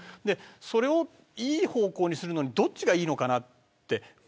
それをいい方向にするにはどっちがいいのかなと。